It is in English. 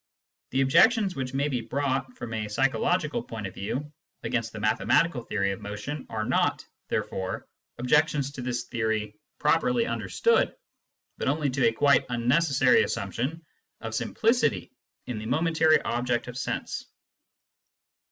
The objections which may be brought from a psychological point of view against the mathematical theory of motion are not, there fore, objections to this theory properly understood, but only to a quite unnecessary assumption of simplicity in the momentary object of sense.